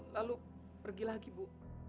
lalu pergi lagi bu